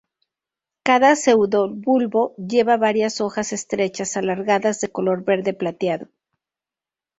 Cada pseudobulbo lleva varias hojas estrechas, alargadas de color verde plateado.